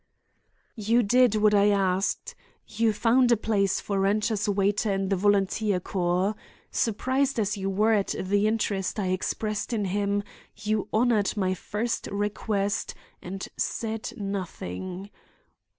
"You did what I asked. You found a place for Rancher's waiter in the volunteer corps. Surprised as you were at the interest I expressed in him, you honored my first request and said nothing.